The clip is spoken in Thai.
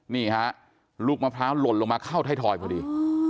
นี่ฮะลูกมะพร้าวหล่นลงมาเข้าไทยทอยพอดี